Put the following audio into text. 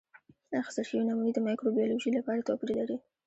اخیستل شوې نمونې د مایکروبیولوژي لپاره توپیر لري.